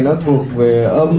nó thuộc về âm